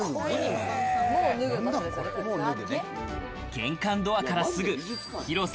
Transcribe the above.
玄関ドアからすぐ、広さ